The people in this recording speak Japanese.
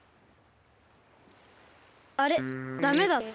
あれダメだった？